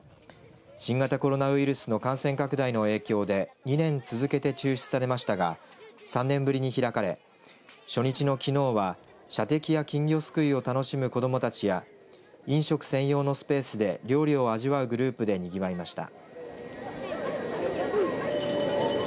新型コロナウイルスの感染拡大の影響で２年続けて中止されましたが３年ぶりに開かれ初日のきのうは、射的や金魚すくいを楽しむ子どもたちや飲食専用のスペースで料理を味わうグループでにぎわいました。